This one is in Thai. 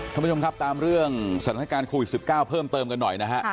ท่านผู้ชมครับตามเรื่องสถานการณ์โควิด๑๙เพิ่มเติมกันหน่อยนะฮะ